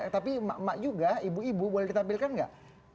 tapi emak emak juga ibu ibu boleh ditampilkan nggak